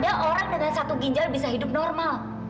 mana ada orang dengan satu ginjal bisa hidup normal